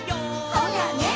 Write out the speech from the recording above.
「ほらね」